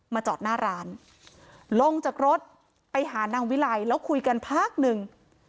จอดหน้าร้านลงจากรถไปหานางวิไลแล้วคุยกันพักหนึ่ง